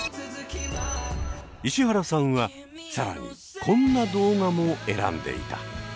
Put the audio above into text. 石原さんは更にこんな動画も選んでいた。